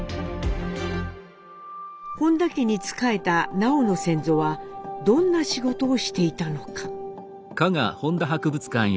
本多家に仕えた南朋の先祖はどんな仕事をしていたのか。